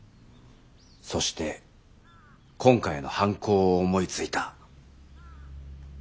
そして今回の犯行を思いついた。